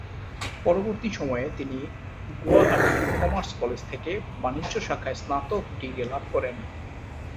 পরবর্তী সময়ে তিনি গুয়াহাটির কমার্স কলেজ থেকে বাণিজ্য শাখায় স্নাতক ডিগ্রী লাভ করেন।